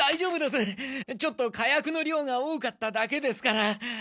ちょっと火薬の量が多かっただけですから。